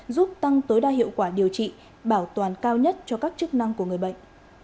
giúp tăng tối đa hiệu quả điều trị bảo toàn cao nhất cho các chức năng của người bệnh